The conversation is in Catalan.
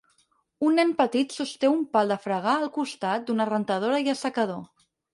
Un nen petit sosté un pal de fregar al costat d'una rentadora i assecador